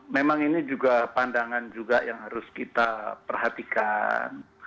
memang ini juga pandangan juga yang harus kita perhatikan